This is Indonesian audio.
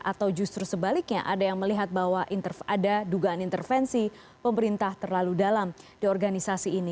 atau justru sebaliknya ada yang melihat bahwa ada dugaan intervensi pemerintah terlalu dalam di organisasi ini